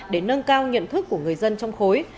để nâng cao nhận thức của người dân trong khối